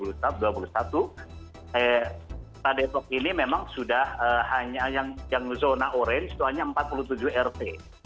kota depok ini memang sudah hanya yang zona orange itu hanya empat puluh tujuh rt